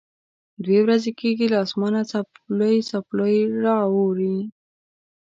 دوه ورځې کېږي له اسمانه څپولی څپولی را اوري.